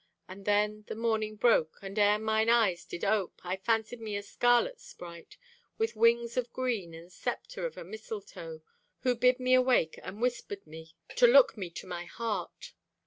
And then the morning broke; And e'er mine eyes did ope, I fancied me a scarlet sprite, With wings of green and scepter of a mistletoe, Did bid me wake, and whispered me To look me to my heart.